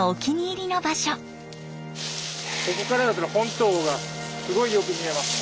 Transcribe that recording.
ここからだと本島がすごいよく見えますね。